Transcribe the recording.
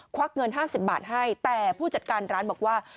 วักเงิน๕๐บาทให้แต่ผู้จัดการร้านบอกว่า